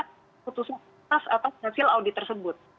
keputusan atas hasil audit tersebut